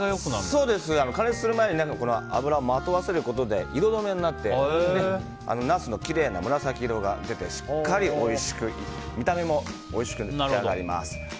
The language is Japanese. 加熱する前に油をまとわせることで色止めになって、ナスのきれいな紫色が出て、しっかり見た目もおいしく仕上がります。